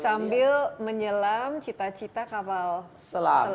sambil menyelam cita cita kapal selam